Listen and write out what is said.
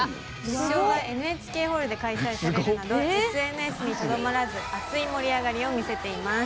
決勝がＮＨＫホールで開催されるなどＳＮＳにとどまらず熱い盛り上がりを見せています。